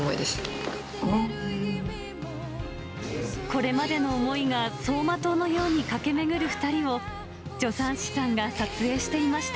これまでの思いが、走馬灯のように駆け巡る２人を助産師さんが撮影していました。